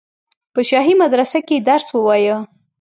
په شاهي مدرسه کې یې درس ووایه.